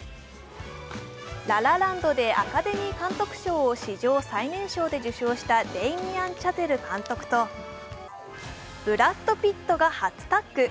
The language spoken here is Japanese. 「ラ・ラ・ランド」でアカデミー監督賞を史上最年少で受賞したデイミアン・チャゼル監督とブラッド・ピットが初タッグ。